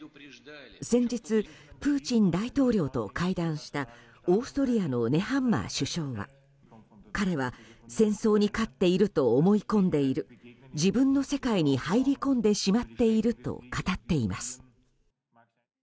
先日、プーチン大統領と会談したオーストリアのネハンマー首相は彼は戦争に勝っていると思い込んでいる自分の世界に入り込んでしまっていると語っています。